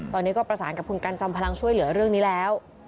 ตอนนี้ก็ประสานกับคุณกันจอมพลังช่วยเหลือเรื่องนี้แล้ว